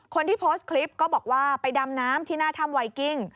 คนที่โพสต์คลิปก็บอกว่าไปดำน้ำที่หน้าถ้ำไวกิ้ง